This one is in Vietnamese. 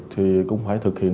thì cũng phải thực hiện